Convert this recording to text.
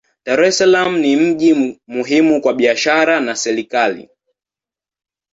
Dar es Salaam ni mji muhimu kwa biashara na serikali.